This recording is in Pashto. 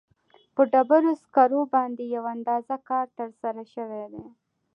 په ډبرو سکرو باندې یو اندازه کار ترسره شوی دی.